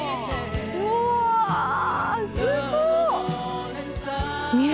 うおすごっ！